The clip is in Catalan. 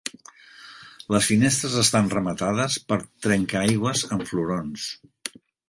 Les finestres estan rematades per trenca-aigües amb florons.